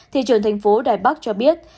thị trường thành phố đài bắc cho biết